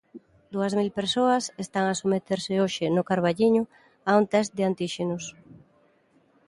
Dúas mil persoas están a someterse hoxe no Carballiño a un test de antíxenos.